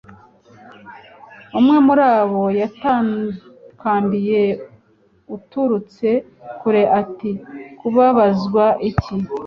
Umwe muri bo yadutakambiye aturutse kure ati Kubabazwa iki